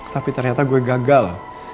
tapi ternyata gue gagal